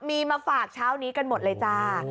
มีมาฝากเช้านี้กันหมดเลยจ้า